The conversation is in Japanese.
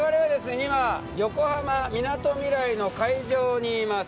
今横浜みなとみらいの海上にいます。